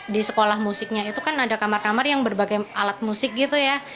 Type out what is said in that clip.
di sekolah musiknya itu kan ada kamar kamar yang berbagai alat musik gitu ya